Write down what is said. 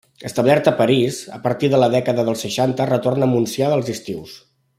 Establert a París, a partir de la dècada dels seixanta retorna al Montsià als estius.